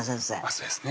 そうですね